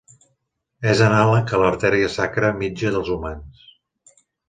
És anàleg a l'arteria sacra mitja dels humans.